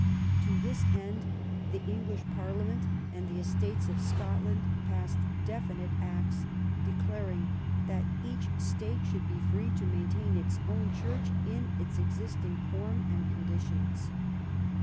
To this end the English Parliament and the Estates of Scotland passed defi nite acts declaring that each state should be free to maintain its own Church in its existing form and condi tions.